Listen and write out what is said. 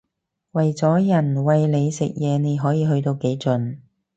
為咗人餵你食嘢你可以去到幾盡